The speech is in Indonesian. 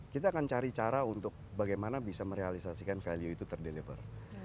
kita akan cari cara untuk bagaimana bisa merealisasikan value itu terdeliver